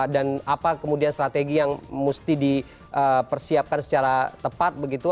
apa kemudian strategi yang mesti dipersiapkan secara tepat begitu